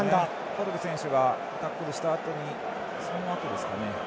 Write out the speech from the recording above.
コルビ選手がタックルしたあとにそのあとですかね。